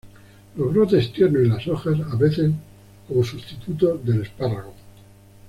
Los brotes tiernos y las hojas a veces como sustitutos del espárrago.